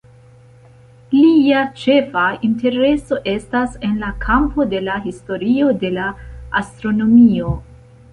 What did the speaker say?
Lia ĉefa intereso estas en la kampo de la historio de la astronomio.